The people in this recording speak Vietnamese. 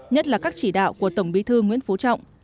nhất là các chỉ đạo của tổng bí thư nguyễn phú trọng